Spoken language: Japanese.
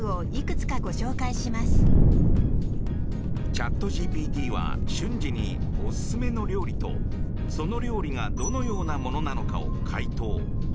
チャットＧＰＴは瞬時にオススメの料理とその料理がどのようなものなのかを回答。